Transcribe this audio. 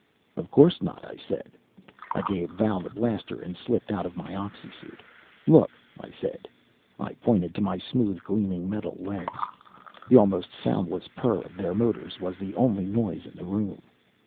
"Of course not," I said. I gave Val the blaster and slipped out of my oxysuit. "Look," I said. I pointed to my smooth, gleaming metal legs. The almost soundless purr of their motors was the only noise in the room.